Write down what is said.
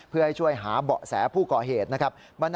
เพื่อให้ช่วยหาเสธผู้เกาะเหตุนะครับ